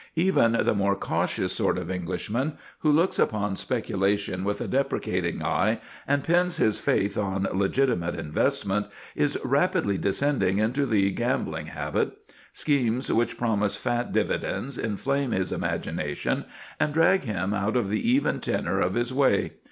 Even the more cautious sort of Englishman, who looks upon speculation with a deprecating eye and pins his faith on legitimate investment, is rapidly descending into the gambling habit. Schemes which promise fat dividends inflame his imagination and drag him out of the even tenor of his way.